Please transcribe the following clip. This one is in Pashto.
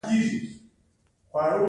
دوی دا پیسې په درې سلنه ګټه نورو ته ورکوي